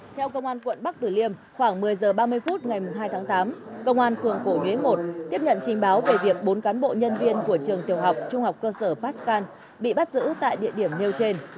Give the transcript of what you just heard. theo công an quận bắc tử liêm khoảng một mươi h ba mươi phút ngày hai tháng tám công an phường cổ nhuế một tiếp nhận trình báo về việc bốn cán bộ nhân viên của trường tiểu học trung học cơ sở pascan bị bắt giữ tại địa điểm nêu trên